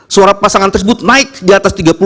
suara pasangan tersebut naik di atas tiga puluh